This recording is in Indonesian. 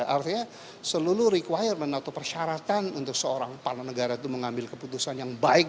artinya seluruh requirement atau persyaratan untuk seorang para negara itu mengambil keputusan yang baik